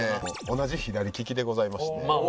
同じ左利きでございまして。